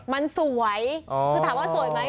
มันสวยถามว่าสวยมั้ย